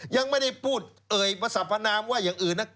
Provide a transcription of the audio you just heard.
ยังไม่ได้พูดเอ่ยประสัพพนามว่าอย่างอื่นนะ